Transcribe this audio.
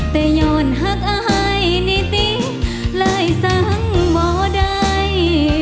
แต่ย้อนหักอายนิติเลยสั่งบ่ใด